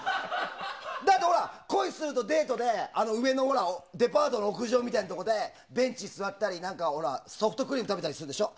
だって、恋するとデートで上のデパートの屋上みたいなところでベンチ座ったりソフトクリーム食べたりするでしょ。